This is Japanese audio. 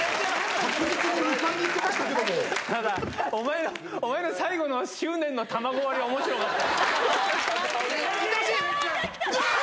ただ、お前の最後の執念の卵割りはおもしろかった。